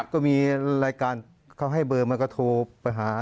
ก็มีรายการเขาให้เบอร์มาก็โทรไปหา